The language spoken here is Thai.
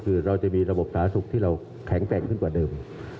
คือเราจะมีระบบสาธารณสุขที่เราแข็งแกร่งขึ้นกว่าเดิม